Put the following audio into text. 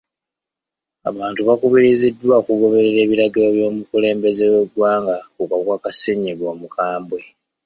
Abantu bakubiriziddwa okugoberera ebiragiro by'omukulembeze w'egwanga ku kawuka ka ssennyiga omukwambwe..